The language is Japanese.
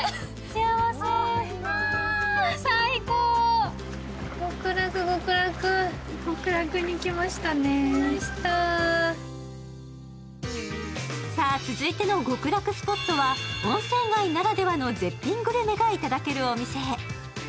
幸せ！さあ、続いての極楽スポットは温泉街ならではの絶品グルメがいただけるお店へ。